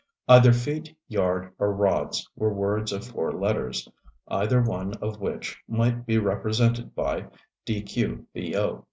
Either "feet," "yard" or "rods" were words of four letters either one of which might be represented by "dqbo."